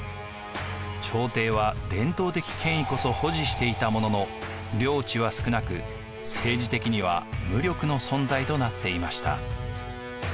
朝廷は伝統的権威こそ保持していたものの領地は少なく政治的には無力の存在となっていました。